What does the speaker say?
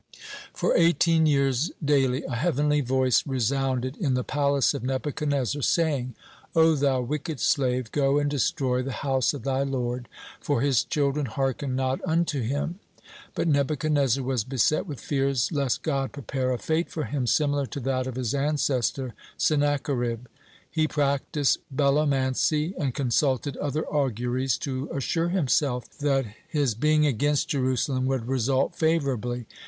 (23) For eighteen years daily a heavenly voice resounded in the palace of Nebuchadnezzar, saying: "O thou wicked slave, go and destroy the house of thy Lord, for His children hearken not unto Him." But Nebuchadnezzar was beset with fears lest God prepare a fate for him similar to that of his ancestor Sennacherib. He practiced belomancy and consulted other auguries, to assure himself that he was against Jerusalem would result favorably.